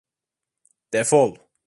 Defol.